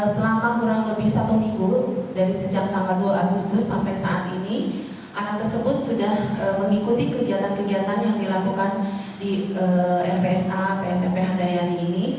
selama kurang lebih satu minggu dari sejak tanggal dua agustus sampai saat ini anak tersebut sudah mengikuti kegiatan kegiatan yang dilakukan di lpsa psmp handayani ini